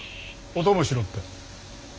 お供しろって。